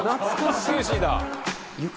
ステューシーだ。